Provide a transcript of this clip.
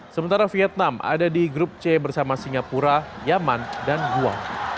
sementara vietnam ada di grup c bersama singapura yaman dan gua